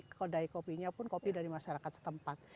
kedai kopinya pun kopi dari masyarakat setempat